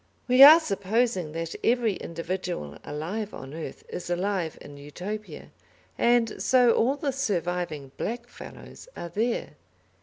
We are supposing that every individual alive on earth is alive in Utopia, and so all the surviving "black fellows" are there.